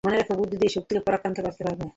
মনে রেখো, বুদ্ধি দিয়ে শক্তিকে পরাস্ত করতে পারবে।